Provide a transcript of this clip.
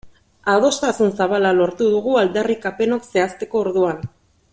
Adostasun zabala lortu dugu aldarrikapenok zehazteko orduan.